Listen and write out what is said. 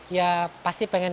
ya pasti pengen